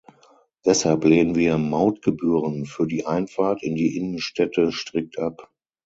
Deshalb lehnen wir Mautgebühren für die Einfahrt in die Innenstädte strikt ab!